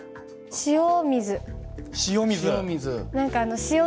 塩水。